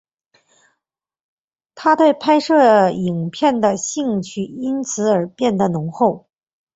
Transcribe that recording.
他对拍摄影片的兴趣因此而变得浓厚。